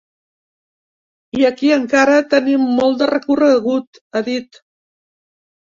I aquí encara tenim molt de recorregut, ha dit.